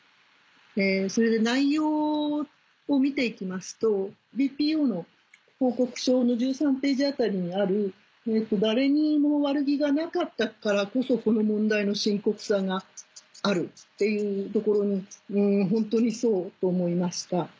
それで内容を見て行きますとＢＰＯの報告書の１３ページあたりにある「誰にも悪気がなかったからこそこの問題の深刻さがある」っていうところにホントにそう思いました。